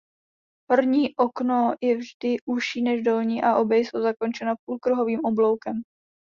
Horní okno je vždy užší než dolní a obě jsou zakončena půlkruhovým obloukem.